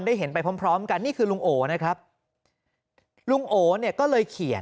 เห็นไปพร้อมพร้อมกันนี่คือลุงโอนะครับลุงโอเนี่ยก็เลยเขียน